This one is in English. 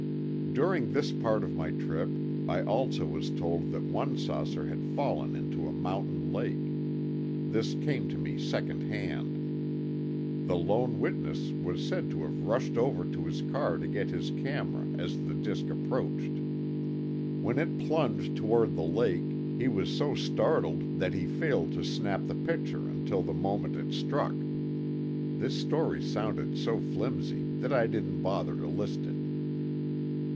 During this part of my trip, I also was told that one saucer had fallen into a mountain lake. This came to me secondhand. The lone witness was said to have rushed over to his car to get his camera as the disk approached. When it plunged toward the lake, he was so startled that he failed to snap the picture until the moment it struck. This story sounded so flimsy that I didn't bother to list it.